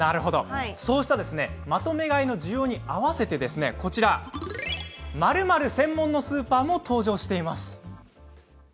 そうしたまとめ買いの需要に合わせて○○専門のスーパーも登場しているんです。